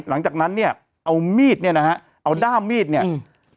หลังจากนั้นเนี่ยเอามีดเนี่ยนะฮะเอาด้ามมีดเนี่ยอืม